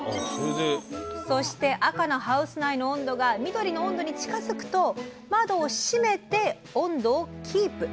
そして赤のハウス内の温度が緑の温度に近づくと窓を閉めて温度をキープ。